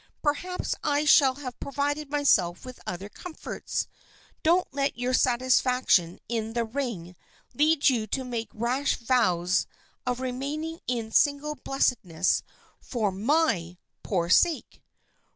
" Perhaps I shall have provided myself with other comforts ! Don't let your satisfaction in the ring lead you to make rash vows of remain ing in single blessedness for my poor sake